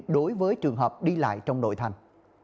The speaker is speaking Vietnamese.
đối với trường hợp đi lại trong nội thành